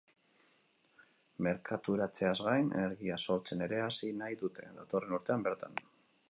Merkaturatzeaz gain, energia sortzen ere hasi nahi dute, datorren urtean bertan.